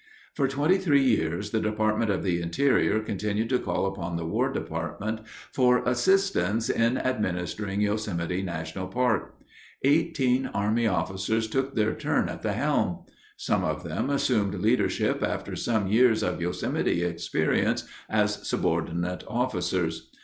For twenty three years the Department of the Interior continued to call upon the War Department for assistance in administering Yosemite National Park. Eighteen army officers took their turn at the helm. Some of them assumed leadership after some years of Yosemite experience as subordinate officers.